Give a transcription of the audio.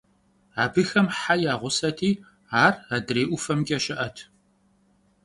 Абыхэм хьэ я гъусэти, ар адрей ӀуфэмкӀэ щыӀэт.